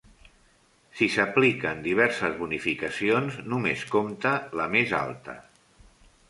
Si s'apliquen diverses bonificacions, només compta la més alta.